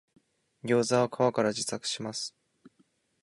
ギョウザは皮から自作します